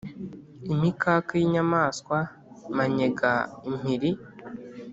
Imikaka y’inyamaswa, manyenga, impiri,